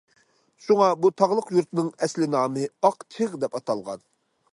شۇڭا بۇ تاغلىق يۇرتنىڭ ئەسلى نامى‹‹ ئاق چىغ›› دەپ ئاتالغان.